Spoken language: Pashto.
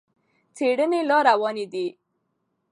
څېړنې لا روانې دي.